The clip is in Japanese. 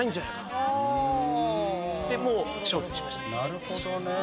なるほどね。